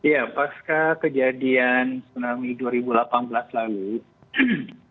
ya pasca kejadian tsunami dua ribu delapan belas lalu